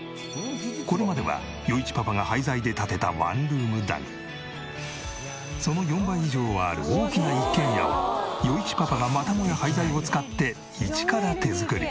これまでは余一パパが廃材で建てたワンルームだがその４倍以上はある大きな一軒家を余一パパがまたもや廃材を使って一から手作り。